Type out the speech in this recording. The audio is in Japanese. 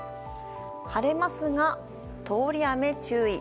晴れますが、通り雨注意。